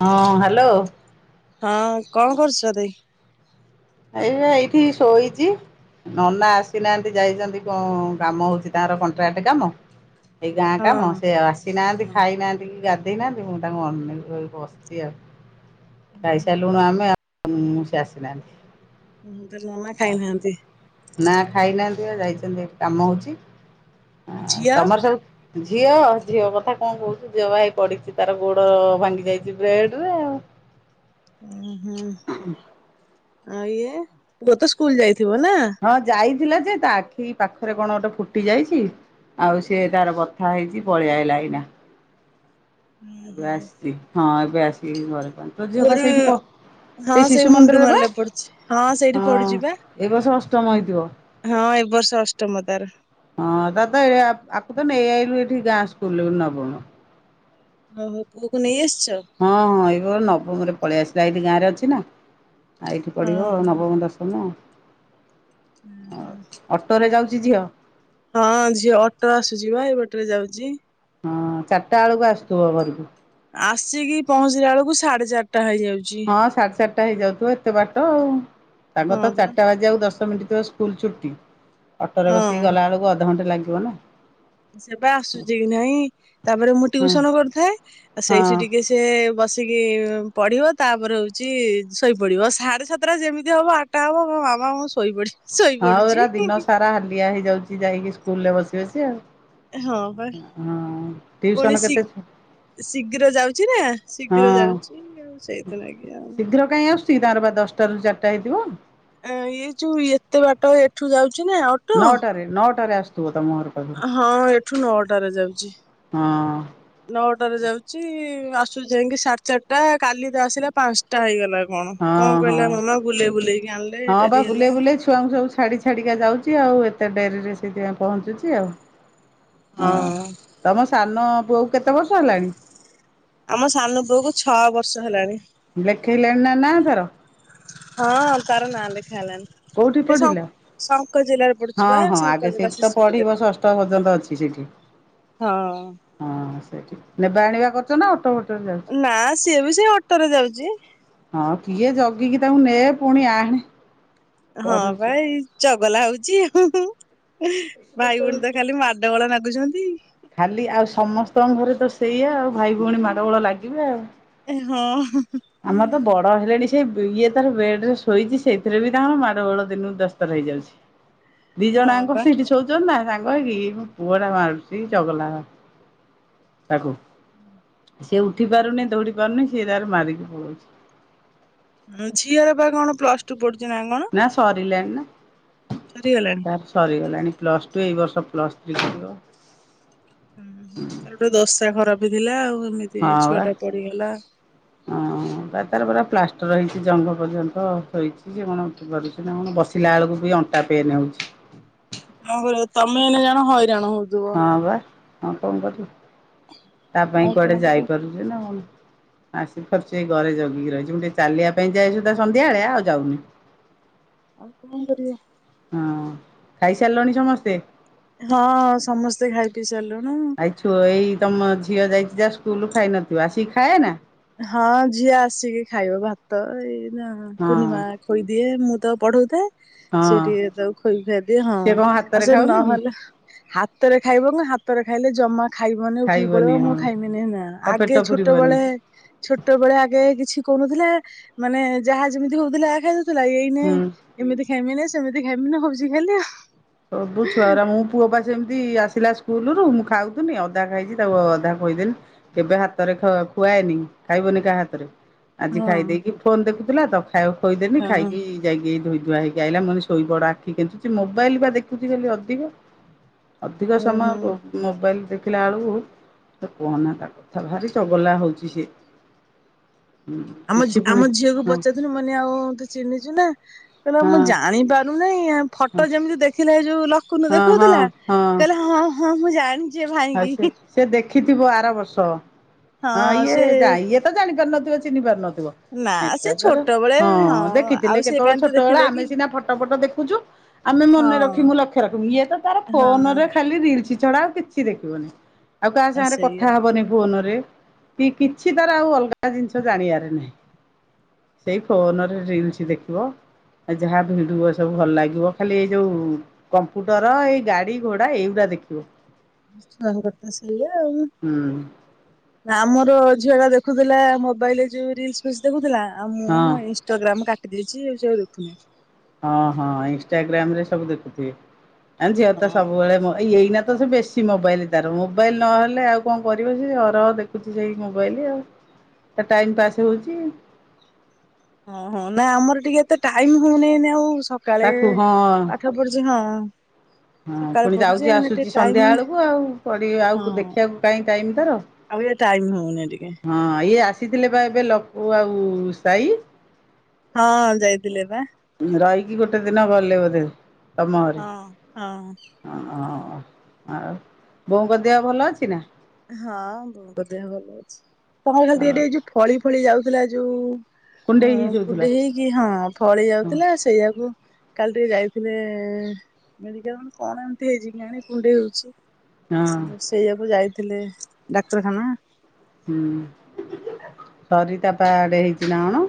ହଁ ହ୍ୟାଲୋ। ହଁ କଣ କରୁଛ ଦେଇ? ଏଇ ଏଇଠି ଶୋଇଛି। ନ ନା ଆସିନାହାନ୍ତି ଯାଇଛନ୍ତି କଣ କାମ ହଉଛି ତାଙ୍କର କଣ୍ଟ୍ରାକ୍ଟ କାମ। ଏଇ ଗାଁଟା କାମ ହଁ ସେ ଆସିନାହାନ୍ତି ହଁ। ଖାଇନାହାନ୍ତି କି ଗା ଦେଇନାହାନ୍ତି ମୁଁ ତାଙ୍କୁ ଅନେଇକି ବସିଛି ଆଉ ଖାଇସାରଲୁଣୁ ଆମେ ଆଉଁ ସେ ଆସିନାହାନ୍ତି। ମୁ ତ ନନା ଖାଇନାହାନ୍ତି। ନା ଖାଇନାହାନ୍ତି ବା ଯାଇଛନ୍ତି ହେରି କାମ ହଉଛି ଆଉ ଝିଅ? ତମର ସବୁ ଝିଅ ଝିଅ କଥା କଣ କହୁଛୁ ଝିଅ ବା ହେଇ ପଡିଛି ତାର ଗୋଡ ଭାଙ୍ଗି ଯାଇଛି ବ୍ରେଡରେ ଆଉ। ଉହୁଁ ଆଉ ଇଏ ପୁଅ ତ ସ୍କୁଲ ଯାଇଥିବ ନା? ହଁ ଯାଇଥିଲା ଯେ ତା ଆଖି ପାଖରେ କଣ ଗୋଟେ ଫୁଟି ଯାଇଛି। ଆଉ ସିଏ ତାର ବଥା ହେଇଛି ପଳିଆଇଲା ଏହିନା। ହ ଏବେ ଆସିଛି ହଁ ଏବେ ଆସିକି ଘରେ ପ ତୋ ଝିଅ ବା ପୁଅର ସେଇଠି ପ ହଁ ସେଇ ଶିଶୁ ମୁଣ୍ଡୁ ମନ୍ଦିର ବା ମାରିଲେ ପଡୁଛି ସେଇଠି ହଁ ପଡୁଛି ବା। ଏ ବର୍ଷ ଅଷ୍ଟମ ହେଇଥିବ। ହଁ ଏ ବର୍ଷ ଅଷ୍ଟମ ତାର। ହଁ ତା ତ ଏ ଆ ଆକୁ ତ ନେଇ ଆଇଲୁ ଏଠି ଗାଁ ସ୍କୁଲ କୁ ନବମ। ଓହୋ ପୁଅକୁ ନେଇ ଆସିଛ। ହଁ ହଁ ଏଇବ ନବମ ରେ ପଳେଇଆସିଲା ଏଇଠି ଗାଁରେ ଅଛି ନା। ଆ ଏଇଠି ପଢିବ ଓହୋ ନବମ ଦଶମ। ହୁଁ ହୁଁ। ଅଟୋରେ ଯାଉଛି ଝିଅ। ହଁ ଝିଅ ଅଟୋ ଆସୁଛି ବା ଏ ବାଟରେ ଯାଉଛି। ହଁ ଚାରିଟା ବେଳକୁ ଆସୁଥିବ ଘରକୁ? ଆସିକି ପହଞ୍ଚିଲା ବେଳକୁ ସାଢେ ଚାରିଟା ହେଇଯାଉଛି। ହଁ ସାଢେ ଚରିଟା ହେଇଯାଉଥିବ ଏତେ ବାଟ ଆଉ ତାଙ୍କର ହଁ ତ ବା ଚାରିଟା ବାଜ ଯାକୁ ଦଶ ମିନିଟ ଥିବ ସ୍କୁଲ ଛୁଟି ଅଟୋରେ ବସିକି ହଁ। ଗଲା ବେଳକୁ ଅଧଘଣ୍ଟେ ଲାଗିବ ନା? ସେବା ଆସୁଛି କି ନାଇଁ ତାପରେ ମୁଁ ହଁ ଟିଉସନ କରିଥାଏ ଆଉ ସେଇଠି ହଁ। ଟିକେ ସେ ବସିକି ପଢ଼ିବ ତାପରେ ହେଉଛି ଶୋଇପଡ଼ିବ ସାଢ଼େ ସାତଟା ଯେମିତି ହେବ ଆ ଟା ହବ ମ ମାମା ମୁଁ ଶୋଇ ପଡ଼ିବି। ହଁ ପରା ଦିନ ସାରା ହାଲିଆ ହେଇଯାଉଛି ଯାଇକି ସ୍କୁଲ ରେ ବସି ବସି ଆଉ। ହଁ ବା। ହଁ ପୁଣି ଟିୟୁସନ ଶୀ କେତେ ଶୀଘ୍ର ଯାଉଛି ନା ହଁ ଶୀଘ୍ର ଯାଉଛି ଆଉ ସେଇଥି ନାଗି ଆଉ। ଚି ତାଙ୍କର ବା ଦଶଟାରୁ ଚାରିଟା ହେଇଥିବ? ଇୟେ ଯୁ ଏତେ ବାଟ ଏଠୁ ଯାଉଛି ନା ଅ ନଅଟାରେ ନଅଟାରେ ଆସୁଥିବ ତମ ଘରୁ ହଁ ଏଠୁ ନଅଟାରେ ଯାଉଛି। ହଁ ନଅଟାରେ ଯାଉଛି ଆସୁଚି ଯାଇକି ସାଢେ ଚାରିଟା କାଲି ତ ଆସିଲା ପାଞ୍ଚ ଟା ହେଇଗଲା କଣ ହଁ କଣ କହିଲା ହଁ। ମାମା ବୁଲେଇ ବୁଲେଇକି ଆଣିଲେ ହଁ ବା ଡେରି ବୁଲେଇ ହେଲା। ବୁଲେଇ ଛୁଆଙ୍କୁ ସବୁ ଛାଡି ଛାଡିକା ଯାଉଛି ଆଉ ଏତେ ଡେରି ରେ ସେଇଥିପାଇଁ ପହଞ୍ଚୁଛି ଆଉ। ହଁ ଅ ତମ ସାନ ପୁଅକୁ କେତେ ବର୍ଷ ହେଲାଣି? ଆମ ସାନ ପୁଅ କୁ ଛଅ ବର୍ଷ ହେଲାଣି। ଲେଖେଇଲେଣି ନା ନା ତାର? ହଁ ତାର ନାଁ ଲେଖା ହେଲାଣି। କୋଉଠି ଏ ସ ପଢିଲା? ଶଙ୍କ ଜିଲ୍ଲାରେ ପଡୁଛି ହଁ ବା ହଁ ଶଙ୍କ ଆଗେ ଜିଲ୍ଲା ସେଇଠି ତ ଶିଶୁ ମନ୍ଦିର ପଢିବ ଷଷ୍ଠ ପର୍ଯ୍ୟନ୍ତ ଅଛି ସେଠି। ହଁ। ହଁ ସେଇଠି ନେବା ଆଣିବା କରୁଛ ନା ଅଟୋ ଫଟୋରେ ଯାଉଛି? ନା ସିଏ ବି ସେ ଅଟୋରେ ଯାଉଛି। ହଁ କିଏ ଜଗିକି ତାଙ୍କୁ ନେ ପୁଣି ଆଣେ। ହଁ କରୁଛି। ବା ଏଇ ଚଗଲା ହଉଛି ଆଉ ହୁଁ ହୁଁ ଭାଇ ଭଉଣୀ ତ ଖାଲି ମା ଡ ଗୋଳ ନାଗୁଛନ୍ତି। ଖାଲି ଆଉ ସମସ୍ତଙ୍କ ଘରେ ତ ସେଇଆ ଆଉ ଭାଇ ଭଉଣୀ ମାଡ଼ ଗୋଳ ଲାଗିବେ ଆଉ। ଏ ହଁ ହଁ। ଆମର ତ ବଡ ହେଲେଣି ସେ ଇଏ ତାର ବେଡ ରେ ଶୋଇଛି ସେଇଥିରେ ବି ତାଙ୍କର ମାଡ ଗୋଳ ଦିନକୁ ଦସଥର ହେଇଯାଉଛି। [inaudible] ଦି ଜଣ ଆଙ୍କ ବା। ସେଇଠି ସୋଉଛନ୍ତି ନା ସାଙ୍ଗ ହେଇକି ପୁଅ ଟା ମାରୁ ଚି ଚଗଗଲା ତାକୁ ସିଏ ଉଠି ପାରୁନି ଦଉଡ଼ି ପାରୁନି ସେ ତାର ମାରିକି ପଳ‌‌ଉଛି। ହ ଝିଅର ବା କଣ ପ୍ଲସ ଟୁ ପଡୁଛି ନା କଣ? ନା ସରିିଲାଣି ନା। ସରିଗଲାଣି? ତାର ସରିଗଲାଣି ପ୍ଲସ୍ ଟୁ ଏଇ ବର୍ଷ ପ୍ଲସ୍ ଥ୍ରୀ କରିବ। ହୁଁ ତାର ଗୋଟେ ଦସା ଖରାପ ଥିଲା ଆଉ ଏମିତି ଛୁଆ ଟା ପଡିଗଲା। ହଁ ବା ତାର ପରା ପ୍ଲାଷ୍ଟର ହେଇଛି ଜଙ୍ଘ ପର୍ଯ୍ୟନ୍ତ ସୋଇଛି ସେ କଣ ଉଠି ପାରୁଛି। କଣ ବସିଲା ବେଳକୁ ବି ଅଣ୍ଟା ପେନ୍ ହେଉଛି। କ‌ଣ କରିବ ତମେ ଏଇନା ଜାଣ ହଇରାଣ ହଉ ହଁ ବା ହଁ କଣ କରିବି ତା ପାଇଁ ଆଉ କଣ କୁଆଡେ କରିବ। ଯାଇପାରୁଛି ନା କଣ। ଆସି ପା ରୁଚୁ ଏଇ ଘରେ ଜଗିକି ରହିଛି ମୁଁ ଟିକେ ଚାଲିବା ପାଇଁ ଯାଇସୁଧା ସନ୍ଧ୍ୟାବେଳେ ଆଉ ଯାଉନି। ଆଉ କଣ କରିବେ। ହଁ ଖାଇସାରିଲଣି ସମସ୍ତେ? ହଁ ସମସ୍ତେ ଖାଇ ପିଇ ସାରିଲୁଣୁ। ଆଇ ଛୁଅ ଏଇ ତମ ଝିଅ ଯାଇଛି ଯା ସ୍କୁଲରୁ ଖାଇନଥିବ ଆସିକ ଖାଏ ନା? ହଁ ଝିଅ ଆସିକି ଖାଇବ ଭାତ ଏଇ ହଁ କୁନିମା ଖୋଇଦିଏ ମୁଁ ତ ପଢଉଥାଏ। ସେ ହଁ ଟିକେ ତାକୁ ଖୋଇ ଖୁଆଇ ଦିଏ ହଁ ସିଏ କଣ ହାତରେ ଆଉ ସେ ଖାଉନି କି ନହେଲେ ହାତରେ ଖାଇବ କଣ ହାତରେ ଖାଇଲେ ଜମା ଖାଇବନି ଉଠିକି ପଳେଇବ ମୁଁ ଖାଇବିନି ନା ତା ପେଟ ଆଗେ ପୁରିବନି ଛୋଟବେଳେ ଛୋଟ ବେଳେ ଆଗେ କିଛି କରୁଥିଲା ମାନେ ଯାହା ଯେମିତି ହଉଥିଲା ଖାଇ ଦୋ ଥିଲା ଏଇନେ ହୁଁ ଏମିତି ଖାଇମିିନି ସେମିତି ଖାଇମିନି ହଉଚି ଖାଲି ଆଉ। ସବୁ ଛୁଆରା ଅରା ମୁଁ ପୁଅ ପା ଜେମିତି ଆସିଲା ସ୍କୁଲରୁ ମୁଁ ଖାଉଥିନି ଅଧା ଖାଇଛି ତାକୁ ଅଧା ଖୋଇଦେଲି। କେବେ ହାତରେ ଖୁଆଏନି ଖାଇବନି କାହା ହାତରେ। ଆଜି ଆଉ ଖାଇ ଦେଇେକି ଫୋନ ଦେଖୁଥିଲା ତ ଖା ଖୋଇଦେନି ହଁ। ହଁ। ଖାଇକି ଯାଇକି ଧୋଇ ଧୁଆ ହେଇକି ଆଇଲା ମୁଁ କହିଲି ଶୋଇପଡ଼ ଆଖି କେଞ୍ଚୁଚି ମୋବାଇଲ ବା ଦେଖୁଛି ଖାଲି ଅଧିକ। ଅଧିକ ହୁଁ ହୁଁ ସମୟ ମୋବାଇଲ୍ ଦେଖିଲା ବେଳକୁ ସେ କୁହନା ତା କଥା ଭାରି ଚଗଲା ହେଉଚି ସିଏ। ଆମ କିଛି ପୁଣି ଆମ ଝିଅକୁ ହଁ ପଚାରୁଥିଲି ମାନେ ଆଉ ତୁ ଚିହ୍ନିଚୁ ନା? କହିଲା ହଁ ମୁଁ ଜାଣିପାରୁନି ହଁ ଫଟୋ ଯେମିତି ଦେଖିଲେ ଯୋଉ ଲକୁନୁ ଦେଖୁ ହଁ ହଁ କହୁଥିଲା କହିଲା ହଁ ହଁ ମୁଁ ଜାଣି ଆ ସେ ସେ ଦେଖିଥିବ ଆରବର୍ଷ ହଁ ଇଏ ଯା ଇଏ ତ ଜାଣିପାରନଥିବା ଚିହ୍ନି ପାରୁନଥିବ। ନା ସେ ଏଟା ତାର ଛୋଟବେଳେ ହଁ ଆଉ ଦେଖିଥିଲେ ସେ କେତେବଳେ କାହିଁ ତ ଛୋଟ ବେଳ ଦେଖିଲେ କି ଆମେ ସିନା ଫଟ ଫଟ ଦେଖୁଛୁ। ଆମେ ହଁ ମନେ ରଖି ମୁଁ ଲକ୍ଷ୍ୟ ରଖିମୁଁ ଇଏ ତ ତାର ହଁ ଫୋନରେ ଖାଲି ରିଲସ୍ ଛଡା ଆଉ କିଛି ଦେଖିବନି। ଆଉ କାହା ଆଉ ସାଙ୍ଗେରେ ସେଇଆ କଥା ହବନି ଫୋନରେ କି କିଛି ତାର ଆଉ ଅଲଗା ଜିନିଷ ଜାଣିବାରେ ନାହିଁ। ସେଇ ଫୋନରେ ରିଲସ୍ ଦେଖିବ। ଆଉ ଯାହା ଭିଡୁଅ ସବୁ ଭଲ ଲାଗିବ ଖାଲି ଏଇ ଯୋଉ କମ୍ପୁଟର ଏଇ ଗାଡି ଘୋଡା ଏଇଗୁଡା ଦେଖିବ। ସଙ୍ଗତ ସେଇଆ ଆଉ। ହୁଁ। ଆମର ଝିଅ ଟା ଦେଖୁଥିଲା ମୋବାଇଲରେ ଯୋଉ ରିଲସ୍ ଦେଖୁଥିଲା ଆଉ ହଁ ମୁଁ ଇନଷ୍ଟଗ୍ରାମ କାଟି ଦେଇଚି ଆଉ ସେ ଆଉ ଦେଖୁନି। ହଁ ହଁ ଇନଷ୍ଟାଗ୍ରାମରେ ସବୁ ଦେଖୁଥିବେ। ଆ ଝିଅ ତ ହଁ। ସବୁବେଳେ ମ ଏଇନା ତ ସେ ବେଶୀ ମୋବାଇଲ ତାର ମୋବାଇଲ ନହେଲେ ଆଉ କଣ କରିବ ସେ ଅହରହ ଦେଖୁଚି ସେଇ ମୋବାଇଲ ଆଉ। ତା ଟାଇମ୍ ପାସ୍ ହଉଚି। ଓହୋ ନା ଆମର ଟିକେ ଏତେ ଟାଇମ୍ ହଉନେଇ ନା ଆଉ ସ କାଳେ ତାକୁ ହଁ ପାଠ ପଢୁଚି ହଁ। ହଁ ସକାଳେ ପୁଣି ପଢୁଛି ଯାଉଚି ଆଉ ଟିକେ ଆସୁଚି ଟାଇମ ସନ୍ଧ୍ୟା ହଉନି ବେଳକୁ ଆଉ ପଢି ଆଉ ହଁ। ଦେଖିବାକୁ କାଇଁ ଟାଇମ୍ ତାର। ଆଉ ଏ ଟାଇମ୍ ହଉନି ଟିକେ। ହଁ ଇଏ ଆସିଥିଲେ ବା ଏବେ ଲକୁ ଆଉ ସାଇ। ହଁ ଯାଇଥିଲେ ପା। ରହିକି ଗୋଟେ ଦିନ ଗଲେ ବୋଧେ? ତମ ଘରେ ହଁ-ହଁ। ହଁ ଆଉ ବୋଉଙ୍କ ଦେହ ଭଲ ଅଛି ନା? ହଁ ବୋଉଙ୍କ ଦେହ ଭଲ ଅଛି। ତାଙ୍କର ଖାଲି ହଁ ଟିକେ-ଟିକେ ଯୋଉ ଫଳି-ଫଳି ଯାଉଥିଲା ଯୋଉ କୁଣ୍ଡେଇ ହ ହେଇଯାଉଥିଲା କୁଣ୍ଡେଇ ହେଇକି ହଁ ଫଳି ହଁ ଯାଉଥିଲା ସେଇଆକୁ କାଲି ଟିକେ ଯାଇଥିଲେ ମେଡିକାଲ ମାନେ କଣ ଏମିତି ହେଇଚି କେଆଣି କୁଣ୍ଡେଇ ହଉଚି। ହଁ ଆଉ ସେଇଆକୁ ଯାଇଥିଲେ ଡାକ୍ତରଖାନା। ହୁଁ ସରିତାପା ଆଡେ ହେଇଚି ନା କଣ?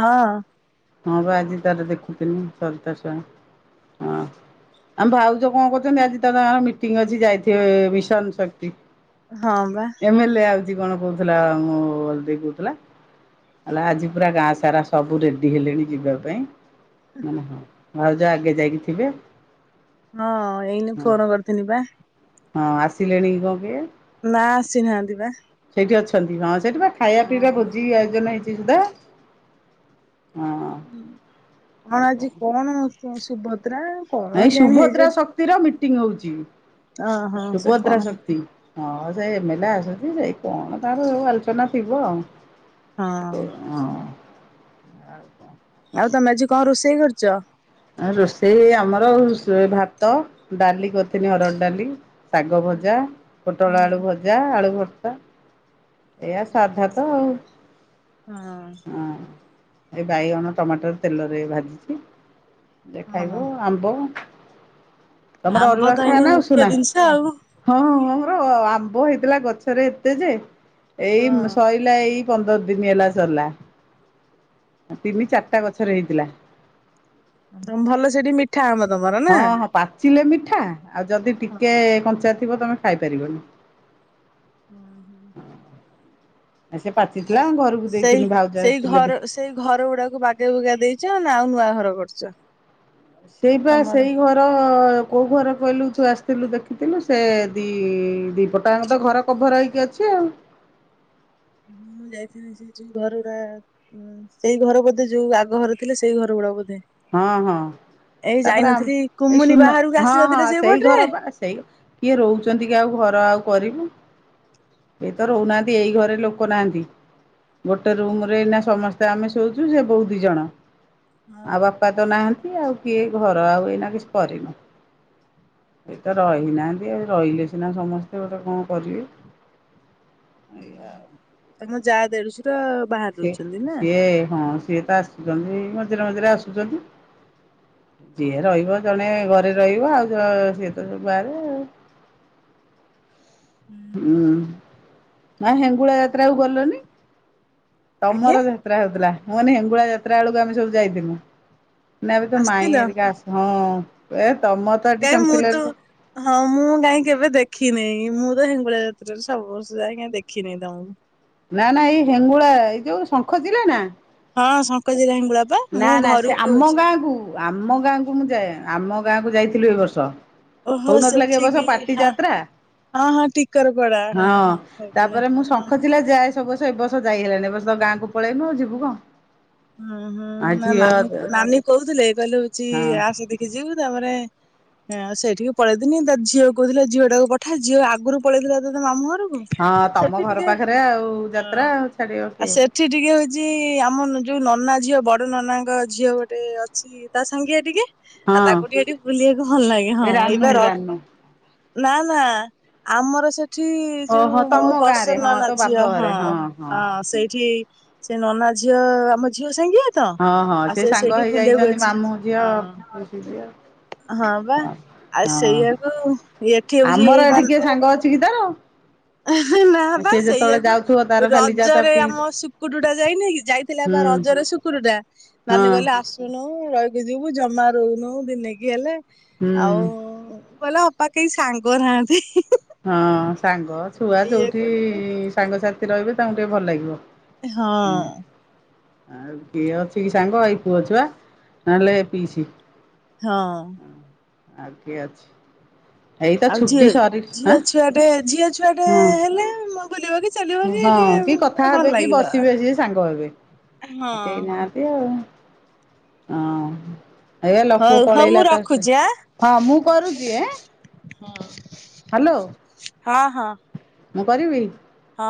ହଁ। ହଁ ବା ଆଜି ତାର ଦେଖୁଥିନି ସରିତା ସ୍ୱାଇଁ ହଁ। ଆମ ଭାଉଜ କଣ କରୁଚନ୍ତି ଆଜି ତ ତାଙ୍କର ମିଟିଂ ଅଛି ଯାଇଥିବେ ମିଶନ୍ ଶକ୍ତି। ହଁ ପା। ଏମ ଏଲ ଏ ଆଉଚି କଣ କହୁଥିଲା ମୋ [unintelligible] କହୁଥିଲା। କହିଲା ଆଜି ପୁରା ଗାଁ ସାରା ସବୁ ରେ ଡି ହେଲେଣି ଯିବା ପାଇଁ। ମୁଁ ନି ହଁ ଭାଉଜ ଆଗେ ଯାଇକି ଥିବେ। ହଁ ଏଇନେ ହଁ ଫୋନ କରିଥିନି ପା। ହଁ ଆସିଲେଣି କି କଣ କେଇଆଣି? ନା ଆସିନାହାନ୍ତି ପା। ସେଇଠି ଅଛନ୍ତି ହଁ ସେଇଠି ବା ଖାଇବା ପିଇବା ଭୋଜି ଆୟୋଜନ ହେଇଚି ସୁଦ୍ଧା। ହୁଁ କଣ ଆଜି କଣ ସୁଭଦ୍ରା କଣ ଏ କେଜାଣି ସୁଭଦ୍ରା ହେଇଛି ଶକ୍ତିର ମିଟିଂ ହଉଚି ଓହୋ ସେ ସୁଭଦ୍ରା କଣ ଶକ୍ତି। ହଁ ସେ ଏମ ଏଲ ଏ ଆସୁଚି ସେଇ କଣ ତାର ସ ଆଲୋଚନା ଥିବ ହଁ ଆଉ। ହଁ। ଆଉ କଣ? ଆଉ ତମେ ଆଜି କଣ ରୋଷେଇ କରିଚ? ରୋଷେଇ ଆମର ହୁସ ଭାତ ଡାଲି କରିଥିଲି ହରଡ଼ ଡାଲି ଶାଗ ଭଜା, ପୋଟଳ ହୁଁ ଆଳୁ ଭଜା, ଆଳୁ ଭର୍ତା। ଏଇଆ ସାଧା ତ ଆଉ ହଁ। ଏଇ ବାଇଗଣ ଟମାଟର ତେଲ ରେ ଭାଜିଛି। ଦେ ହଁ। ଖାଇବ ଆମ୍ବ ତମର ଆମ୍ବ ଅରୁଆ ତ ଖାଅ ଏଇନେ ନା ମୁଖ୍ୟ ଉସୁନା। ଜିନିଷ ଆଉ। ହଁ ହଁ ଆମର ଆମ୍ବ ହେଇଥିଲା ଗଛରେ ଏତେ ଯେ ଏଇ ହଁ ଶଇଲା ଏଇ। ପନ୍ଦର ଦିନ ହେଲା ସରିଲା ତିନି ଚାରିଟା ଗଛରେ ହେଇଥିଲା। ତମ ଭଲ ସେଠି ମିଠା ଆମ୍ବ ତମର ନା। ହଁ ହଁ ପାଚିଲେ ମିଠା ଆଉ ଯଦି ହଁ ଟିକେ କଞ୍ଚା ଥିବ ତମେ ଖାଇପାରିବନି। ହଁ ହଁ। ଆ ସେ ପାଚିଥିଲା ଘରକୁ ସେଇ ଦେଇଥିଲି ଭାଉଜା ସେଇ ଆସିଥିଲେ ଘର ଦେ ସେଇ ଘର ଗୁଡାକୁ ବାଗେଇ ବୁଗା ଦେଇଛ ନା ଆଉ ନୂଆ ଘର କରିଛ। ସେଇ ବା ତମର? ସେଇ ଘ ର କୋଉ ଘର କହିଲୁ ତୁ ଆସିଥିଲୁ ଦେଖିଥିଲୁ ସେ ଦି ଦି ପଟ ଆଙ୍କ ତ ଘର। କଭର ହେଇକି ଅଛି ଆଉ। ମୁଁ ଯାଇଥିଲି ସେଠି ଘର ଗୁଡା। ହୁଁ ସେଇ ଘର ବୋଧେ ଯୋଉ ଆଗ ଘର ଥିଲା ସେଇ ଘର ଗୁଡାକ ବୋଧେ। ହଁ ହଁ ଏଇ ତାପରେ ଆମ ଯାଇନଥିଲି ଏଇ କୁମୁନି ସୁଣୁନ ବାହାରକୁ ହଁ ହଁ ଆସିନଥିଲେ ସେଇ ସେଇପଟରେ? ଘର ବା ସେଇ। କିଏ ରହୁଛନ୍ତି କି ଆଉ ଘର ଆଉ କରିବୁ। କେହି ତ ରହୁନାହାନ୍ତି ଏଇ ଘରେ ଲୋକ ନାହାନ୍ତି। ଗୋଟେ ରୁମ ରେ ଏଇନା ସମସ୍ତେ ଆମେ ଶୋଉଛୁ ସେ ବୋହୁ ଦି ଜଣ। ହଁ ଆଉ ବାପା ତ ନାହାନ୍ତି ଆଉ କିଏ ଘର ଆଉ ଏଇନା କିଛି କରିନୁ। କେହି ତ ହୁଁ ରହି ନାହାନ୍ତି ଆଉ ରହିଲେ ସିନା ସମସ୍ତେ ଗୋଟେ କଁ କରିବେ। ଏଇଆ ହୁଁ ଏ ମୋ ଯା ଦେଢୁସୁର। ସେ ସିଏ ହଁ ସିଏ ତ ଆସୁଛନ୍ତି ମଝିରେ ମଝିରେ ଆସୁଛନ୍ତି। ଯିଏ ରହିବ ଜଣେ ଘରେ ରହିବ ଆଉ ତ ସିଏ ତ ସବୁ ବାହାରେ। ଆଉ। ହୁଁ ଆଉ ହେଙ୍ଗୁଳା ଯାତ୍ରାକୁ ଗଲନି ଆଜ୍ଞା ତମର। ଯାତ୍ରା ହଉଥିଲା ମୁଁ ମାନେ ହେଙ୍ଗୁଳା ଯାତ୍ରା ବେଳକୁ ଆମେ ସବୁ ଯାଇଥିଲୁ ନା ଏବେ ତୋ ମାଇଁ ଘରିକା ଆସି ହଁ ଏ। ତମର ତ ଏଠି କାଇଁ ମୁଁ ତ। ଶଙ୍ଖିଲାରେ ହଁ ମୁଁ କାହିଁ କେବେ ଦେଖି ନେଇଁ ମୁଁ ତ ହିଙ୍ଗୁଳା ଯାତ୍ରାରେ ସବୁ ବର୍ଷ ଯାଏ କାଇଁ ଦେଖିନେଇଁ ତମକୁ। ନା ନା ଏଇ ହେଙ୍ଗୁଳା ଏଇ ଯୋଉ ଶଙ୍ଖ ଚିଲ ନା। ହଁ ଶଙ୍ଖ ଚିଲ ହିଙ୍ଗୁଳା। ପା ନା ମୁଁ ନା ସେ ଘରକୁ ଆମ ହଉଛି ଗାଁ କୁ ଆମ ଗାଁ କୁ ମୁଁ ଯାଏ ଆମ ଗାଁକୁ ଯାଇଥିଲୁ ଏ ବର୍ଷ। ଓହୋ ହଉନଥିଲା କି ବର୍ଷ ସେଠିକି ପାଟି ହଁ ଯାତ୍ରା। ହଁ ହଁ ଟିକରପଡା ହଁ ହଉଥିଲା ତାପରେ ମୁଁ ହଁ। ଶଙ୍ଖଚିଲ ଯାଏ ସବୁ ବର୍ଷ। ଏ ବର୍ଷ ଯାଇ ହୋଲାନି ଏ ବର୍ଷ ତ ଗାଁକୁ ପଳେଇଲୁ ଆଉ ଯିବୁ କଁ। ହୁଁ ହୁଁ ନା ନାନୀ ନାନୀ କହୁଥିଲେ କହିଲେ ହଉଛି ହଁ ଆସେ ଦେଖି ଯିବୁ ତାପରେ। ହଁ ସେଇଠିକି ପଳେଇଥିନି ତା ଝିଅ କହୁଥିଲା ଝିଅ ଟାକୁ ପଠା ଝିଅ ଆଗରୁ ପଳେଇଥିଲା ତ ତା ମାମୁଁ ଘରକୁ। ହଁ ସେଠି ତମ ଘର ଟିକେ ପାଖରେ ଆଉ ଯାତ୍ରା ଆଉ ଛାଡିବ କିଏ। ଚି ଟିକେ ହଉଛି ଆମ। ଯୋଉ ନନା ଝିଅ ବଡ ନନାଙ୍କ ଝିଅ ଗୋଟେ ଅଛି ତା ସାଙ୍ଗିଆ ଟିକେ। ଆଉ ତାକୁ ହଁ ଟିକେ ସେଠି ବୁଲିବାକୁ ଭଲ ଲାଗେ ଏ ହଁ ଏଇ ରାନୁ ବା ର। ରାନୁ ନା ନା ଆମର ସେ। ସେଠି ଓହୋ ଯୋଉ ମୋ ତମ ଗାଁ ରେ ପ୍ରସନ ହଁ ନନା ତୋ ବାପ ଝିଅ ହଁ ଘରେ ହଁ ସେଇଠି। ସେ ନନା ଝିଅ ଆମ ଝିଅ ସାଙ୍ଗିଆ। ତ ହଁ ହଁ ଆଉ ସେ ସାଙ୍ଗ ସେଇଠି ହେଇ ବୁଲିବାକୁ ଯାଇଛନ୍ତି ଅଛି ମାମୁଁ ଝିଅ ହଁ ପିଇସି ଝିଅ। ହଁ ଆଉ ହଁ ସେଇଆକୁ ଏଠି ହଉଛି ଆମର ଏଠିି କିଏ ହେଇ ସାଙ୍ଗ ଅଛି କି ତାର। ନା ବା ସିଏ ଯେତେବେଳେ ସେଇଆକୁ ଯାଉଥିବ ତାର ଖାଲି ଯା ତା ରଜରେ ପିଇସି ଆମ ଶୁକୁଡ଼ୁ ଟା ଯାଇନି ଯାଇଥିଲା ବା ହୁଁ ରଜରେ ଶୁକୁଡୁଟା। ହଁ ନାନି କହିଲେ ଆସ ନୁ ରହିକି ଯିବୁ ଜମା ରହୁନୁ ଦିନେକି ହେଲେ ଆଉ। ହୁଁ। ଵଲେ ଅପା କେହି ସାଙ୍ଗ ନାହାନ୍ତି। ହଁ ସାଙ୍ଗ ଛୁଆ ଇଏ ଯୋଉଠି କହୁଥିଲେ ସାଙ୍ଗସାଥି ରହିବେ ତାଙ୍କୁ ଟିକେ ଭଲ ଲାଗିବ। ହଁ ହୁଁ। ଆଉ କିଏ ଅଛି କି ସାଙ୍ଗ ଏଇ ପୁଅ ଛୁଆ ନହେଲେ ପିଇସି। ହଁ। ଆ କିଏ ଅଛି। ଏଇତ ଆଉ ଛୁଟି ଝିଅ ସରି ଝିଅ ଆଁ ଛୁଆଟେ ଝିଅ ଛୁଆଟେ ହଁ ହେଲେ ମୋ ବୁଲିବ କି ଚାଲିବ କି ହଁ ଟିକେ କଥା ଗୋଟେ ହେବେ ଭଲ କି ଲାଗିବ ବସିବେ ସିଏ ହଁ। ସେ ଆଉ ହଁ। ଏ ଲୋକ ହଉ ହଉ ମୁଁ ପଳେଇଲା [unintelligible] ରଖୁଛି ହଁ ମୁଁ କରୁଚି ଏଁ। ହଁ। ହାଲୋ। ହଁ ହଁ। ମୁଁ କରିବି। ହଁ।